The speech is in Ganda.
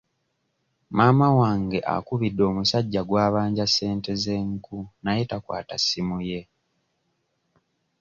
Maama wange akubidde omusajja gw'abanja ssente z'enku naye takwata ssimu ye.